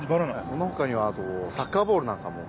そのほかにはあとサッカーボールなんかも。